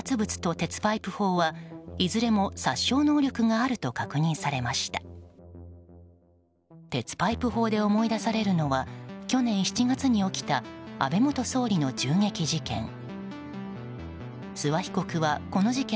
鉄パイプ砲で思い出されるのは去年７月に起きた安倍元総理の銃撃事件。